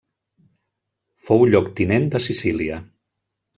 Fou lloctinent de Sicília.